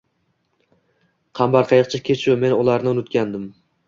“Qambar qayiqchi, kechuv” – men ularni unutgandim